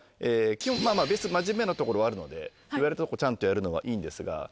基本真面目なところはあるので言われたことちゃんとやるのはいいんですが。